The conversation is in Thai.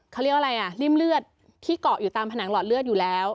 เขาเรียกว่าอะไรอ่ะริ่มเลือดที่เกาะอยู่ตามผนังหลอดเลือดอยู่แล้ว